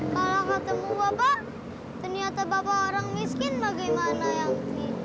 kalau katamu bapak ternyata bapak orang miskin bagaimana angti